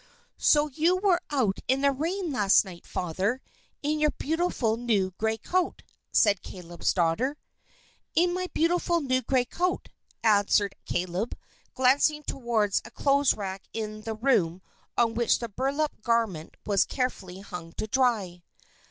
"So you were out in the rain last night, Father, in your beautiful new great coat," said Caleb's daughter. "In my beautiful new great coat," answered Caleb, glancing toward a clothes rack in the room on which the burlap garment was carefully hung to dry.